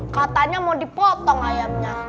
katanya mau dipotong ayamnya